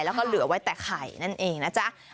แล้วก็เหลือไว้แต่ไข่นั่นเองนะจ๊ะ